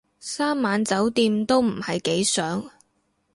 三晚酒店都唔係幾想